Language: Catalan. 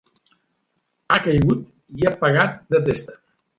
Ha caigut i ha pegat de testa.